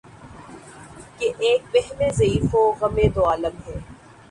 کہ ایک وہمِ ضعیف و غمِ دوعالم ہے